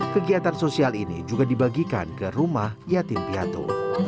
kegiatan sosial ini juga dibagikan ke rumah yatim piatu